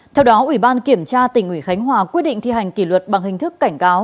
theo đó ủy ban kiểm tra tỉnh ủy khánh hòa quyết định thi hành kỷ luật bằng hình thức cảnh cáo